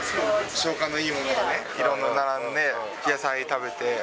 消化のいいものがね、いろんな並んで、野菜食べて。